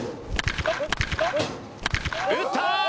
打った！